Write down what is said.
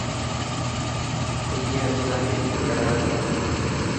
اي افتاري ڪرائي تو.